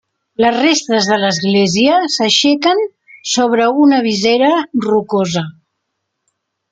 Les restes de l'església s'aixequen sobre una visera rocosa.